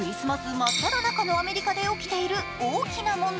真っただ中のアメリカで起きている大きな問題。